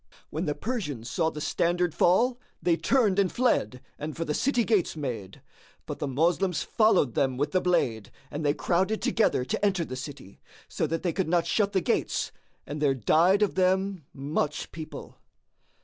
When the Persians saw the standard fall, they turned and fled and for the city gates made; but the Moslems followed them with the blade and they crowded together to enter the city, so that they could not shut the gates and there died of them much people.